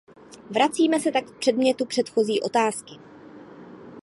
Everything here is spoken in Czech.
Vracíme se tak k předmětu předchozí otázky.